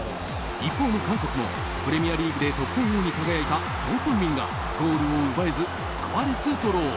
一方の韓国もプレミアリーグで得点王に輝いたソン・フンミンがゴールを奪えずスコアレスドロー。